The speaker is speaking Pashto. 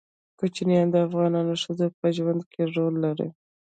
کوچیان د افغان ښځو په ژوند کې رول لري.